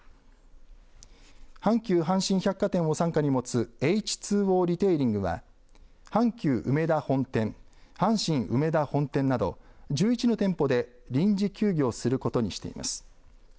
阪急阪神百貨店を傘下に持つエイチ・ツー・オーリテイリングは、阪急うめだ本店、阪神梅田本店など１１の店舗で臨時休業することにしています。